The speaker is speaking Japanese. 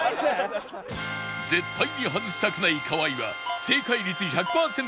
絶対に外したくない河合は正解率１００パーセント